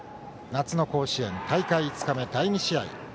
夏の甲子園大会５日目、第２試合。